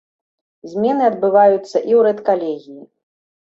Змены адбываюцца і ў рэдкалегіі.